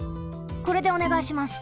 これでおねがいします。